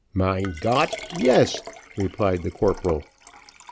"Mein Gott! yes," replied the corporal.